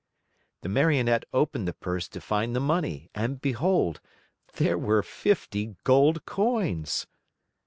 The Marionette opened the purse to find the money, and behold there were fifty gold coins!